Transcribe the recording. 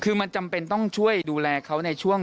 คือมันจำเป็นต้องช่วยดูแลเขาในช่วง